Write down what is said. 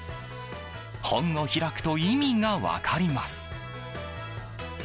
本を開くと意味が分かります。